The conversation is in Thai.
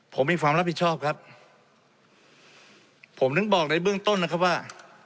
ผมมีความรับผิดชอบครับผมถึงบอกในเบื้องต้นนะครับว่า